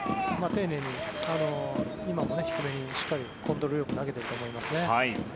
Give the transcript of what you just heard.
丁寧に今も低めにしっかりコントロールよく投げていると思います。